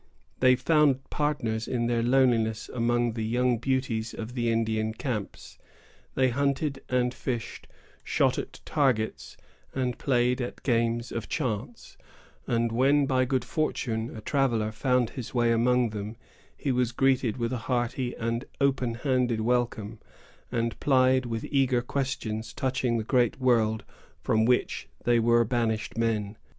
They found partners in their loneliness among the young beauties of the Indian camps. They hunted and fished, shot at targets, and played at games of chance; and when, by good fortune, a traveller found his way among them, he was greeted with a hearty and open handed welcome, and plied with eager questions touching the great world from which they were banished men.